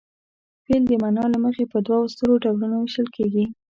فعل د معنا له مخې په دوو سترو ډولونو ویشل کیږي.